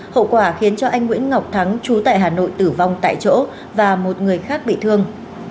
hậu quả khiến cho anh nguyễn ngọc thắng chú tại hà nội tử vong tại chỗ và một người khác bị thương